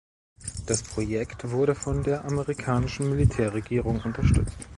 Das Projekt wurde von der amerikanischen Militärregierung unterstützt.